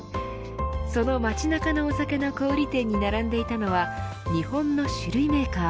その街中のお酒の小売店に並んでいたのは日本の酒類メーカー